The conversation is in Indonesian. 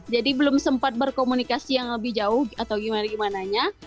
jadi belum sempat berkomunikasi yang lebih jauh atau gimana gimananya